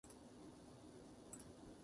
このヒノキのまな板は使いやすい